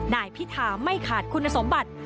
นายพิธาไม่ขาดคุณสมบัติ